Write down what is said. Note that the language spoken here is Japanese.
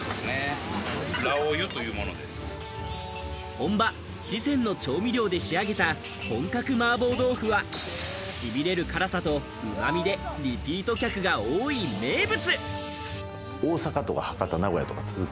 本場・四川の調味料で仕上げた本格麻婆豆腐はしびれる辛さと旨味で、リピート客が多い名物。